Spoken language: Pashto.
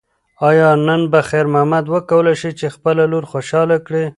ایا نن به خیر محمد وکولی شي چې خپله لور خوشحاله کړي؟